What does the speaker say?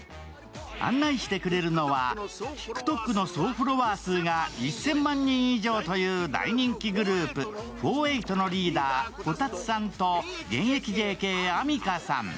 案内してくれるのはＴｉｋＴｏｋの総フォロワー数が１０００万人以上という大人気グループ、４８のリーダー、こたつさんと現役ＪＫ・あみかさん。